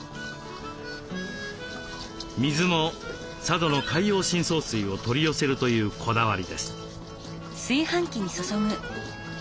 水も佐渡の海洋深層水を取り寄せるというこだわりです。